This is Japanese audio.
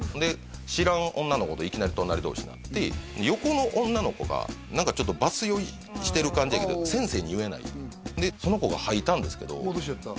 知らん女の子といきなり隣同士になって横の女の子が何かちょっとバス酔いしてる感じやけど先生に言えないでその子が吐いたんですけどもどしちゃった？